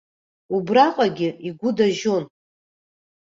Убраҟагьы игәы дажьон.